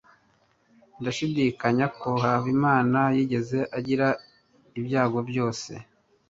Ndashidikanya ko Habimana yigeze agira ibyago byose.